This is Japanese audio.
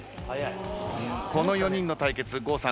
この４人の対決郷さん